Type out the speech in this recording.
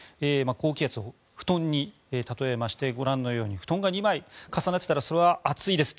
高気圧を布団に例えましてご覧のように布団が２枚重なっていたらそれは暑いです。